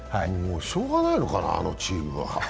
しようがないのかな、あのチームは。